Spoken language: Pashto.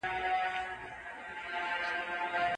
که ذهن ارام نه وي نو څېړنه نه سمېږي.